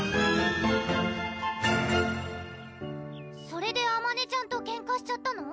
それであまねちゃんとケンカしちゃったの？